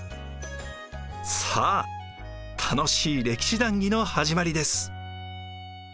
さあ楽しい歴史談義の始まりです。